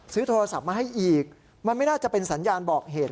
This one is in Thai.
ซื้อโทรศัพท์มาให้อีกมันไม่น่าจะเป็นสัญญาณบอกเหตุ